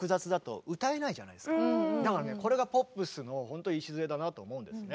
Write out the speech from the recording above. これがポップスのほんと礎だなと思うんですね。